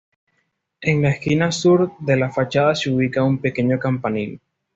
En la esquina sur de la fachada se ubica un pequeño campanil.